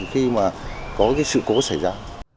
khi mà có cái sự cố xảy ra